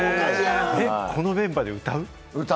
このメンバーで歌う？